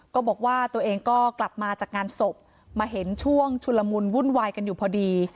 ก็บอกว่าตัวเองก็กลับมาจากงานศพมาเห็นช่วงชุลมุนวุ่นวายกันอยู่พอดี